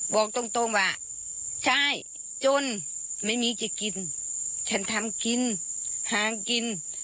บอกตรงตรงว่าใช่จนไม่มีจะกินฉันทำกินหางกิน